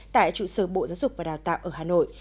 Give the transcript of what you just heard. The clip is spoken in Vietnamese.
tại trụ sở bộ giáo dục và đào tạo ở hà nội